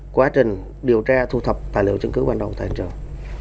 quá trình điều tra thu thập tài liệu chứng cứ ban đầu của tài liệu trường